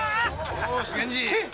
よし源次。